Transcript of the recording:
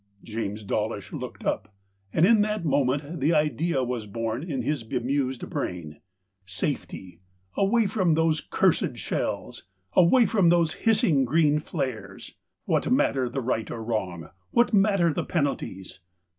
James Dawlish looked up, and in that moment the idea was born in his bemused brain. Safety — away from those cursed shells —away from those hissing green flares ! What matter the right or wrong — what matter the penalties